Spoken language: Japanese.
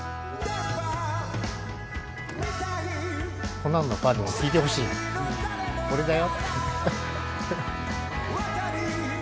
コナンのファンにも聴いてほしい、これだよ。